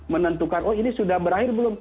menentukan oh ini sudah berakhir belum